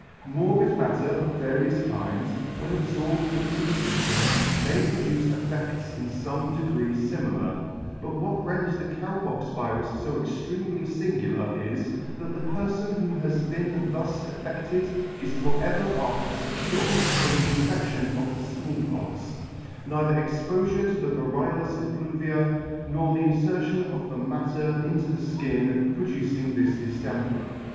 Morbid matter of various kinds, when abforbed 2 into [ 7 ] into the fyftem, may produce effe&s in fome de gree fimilar; but what renders the Cow Pox virus fo extremely lingular is, that the perfon who has been thus affe6ted is for ever after fecure from the infection of the Small Pox; neither expofure to the variolous effluvia, nor the infertion of the matter into the (kin, producing this diflemper.